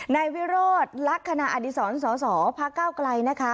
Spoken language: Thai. นายวิโรธลักษณะอดีศรสสพระเก้าไกลนะคะ